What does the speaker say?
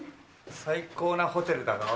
最高なホテルだろう？